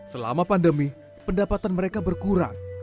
selama pandemi pendapatan mereka berkurang